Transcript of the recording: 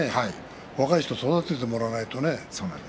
若い人を育ててもらわないとね。